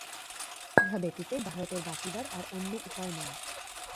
ইহা ব্যতীত ভারতের বাঁচিবার আর অন্য উপায় নাই।